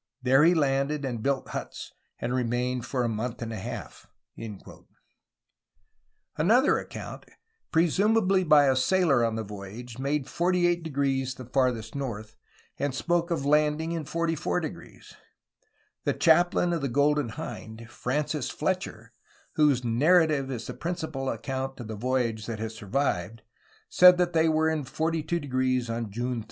There he landed and built huts and remained for a month and a half." 102 '"^ A HISTORY OF CALIFORNIA Another account, presumably by a sailor on the voyage, made 48° the farthest north, and spoke of landing in 44°. The chaplain of the Golden Hind, Francis Fletcher, whose narrative is the principal account of the voyage that has survived, said that they were in 42° on June 3.